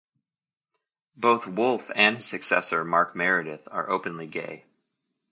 Both Wolfe and his successor Mark Meredith are openly gay.